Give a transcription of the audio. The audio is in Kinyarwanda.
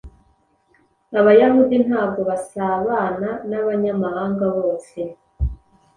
Abayahudi ntago basabana n’abanyamahanga bose ;